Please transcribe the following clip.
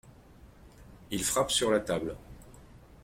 Il frappe sur la table.